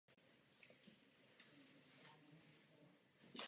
Své domácí zápasy odehrává na zimním stadionu Varnsdorf.